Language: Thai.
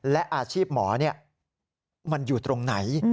และอาชีพหมอมันอยู่ตรงไหน